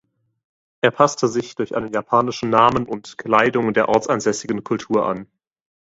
Er passte sich durch einen japanischen Namen und Kleidung der ortsansässigen Kultur an.